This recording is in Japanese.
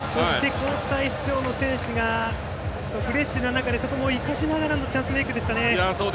そして交代出場の選手がフレッシュな中そこも生かしながらのチャンスメイクでしたね。